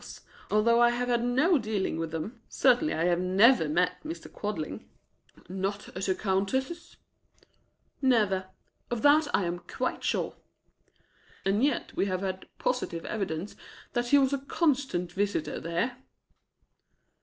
Although I have had no dealing with them. Certainly I have never met Mr. Quadling." "Not at the Countess's?" "Never of that I am quite sure." "And yet we have had positive evidence that he was a constant visitor there."